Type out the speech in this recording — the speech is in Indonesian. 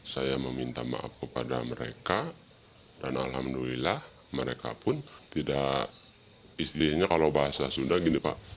saya meminta maaf kepada mereka dan alhamdulillah mereka pun tidak istilahnya kalau bahasa sunda gini pak